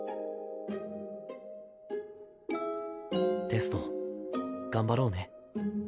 テスト頑張ろうね。